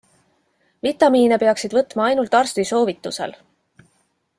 Vitamiine peaksid võtma ainult arsti soovitusel.